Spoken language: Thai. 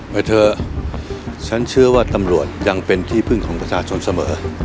ไปเถอะฉันเชื่อว่าตำรวจยังเป็นที่พึ่งของประชาชนเสมอ